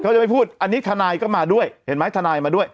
จะไม่พูดอันนี้ทนายก็มาด้วยเห็นไหมทนายมาด้วย